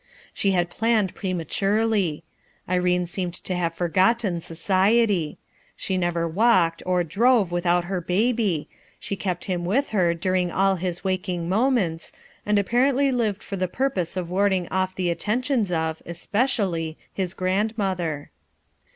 She had planned prematurely. Irene seemed A CRISIS 323 to have forgotten society; she never walked, or drove, without her baby; she kept him with her during all his waking moments, and ap parently lived for the purpose of warding off the attentions of, especially, his grandmother.